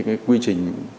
cái quy trình